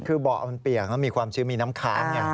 คือเบาะมันเปียกแล้วมีความชื้นมีน้ำค้างไง